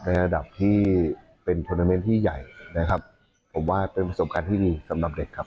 ระดับที่เป็นทวนาเมนต์ที่ใหญ่นะครับผมว่าเป็นประสบการณ์ที่ดีสำหรับเด็กครับ